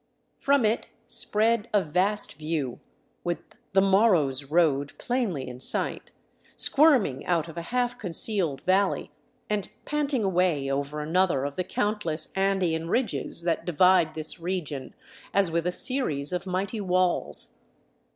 From it spread a vast view, with the morrow's road plainly in sight, squirming out of a half concealed valley and panting away over another of the countless Andean ridges that divide this region as with a series of mighty walls.